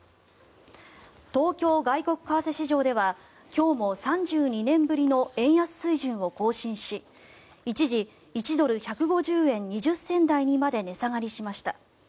東京外国為替市場では今日も３２年ぶりの円安水準を更新し一時１ドル＝１５０円２０銭台にまで値下がりました。